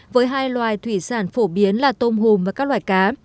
với hai loài thủy sản phổ biến là tôm hùm và các loài cá